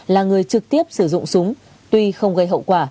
là người trực tiếp sử dụng súng tuy không gây hậu quả